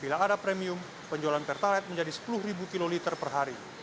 bila ada premium penjualan pertalite menjadi sepuluh kiloliter per hari